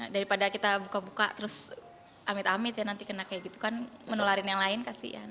daripada kita buka buka terus amit amit ya nanti kena kayak gitu kan menularin yang lain kasian